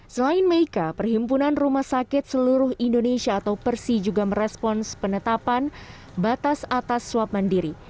selain meika perhimpunan rumah sakit seluruh indonesia atau persi juga merespons penetapan batas atas swab mandiri